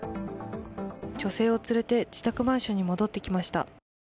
女性を連れて自宅マンションに戻ってきました。